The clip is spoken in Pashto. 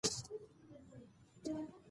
کولمو بکتریاوې د هضم سره مرسته کوي.